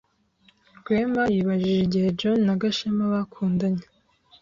Rwema yibajije igihe John na Gashema bakundanye.